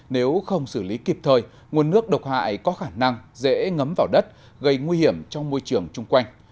nếu không xử lý kịp thời nguồn nước độc hại có khả năng dễ ngấm vào đất gây nguy hiểm trong môi trường chung quanh